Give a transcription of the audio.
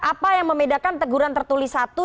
apa yang membedakan teguran tertulis satu